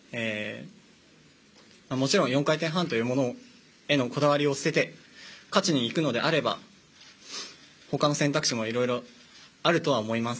もちろん４回転半というものへのこだわりを捨てて勝ちにいくのであれば他の選択肢も色々、あるとは思います。